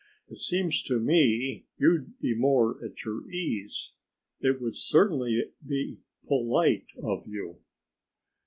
It seems to me you'd be more at your ease. It would certainly be polite of you."